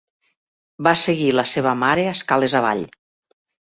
Va seguir la seva mare escales avall.